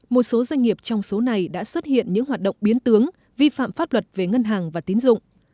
một số doanh nghiệp trong số này đã xuất hiện những hoạt động biến tướng vi phạm pháp luật về ngân hàng và tín dụng